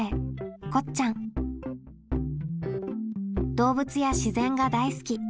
動物や自然が大好き。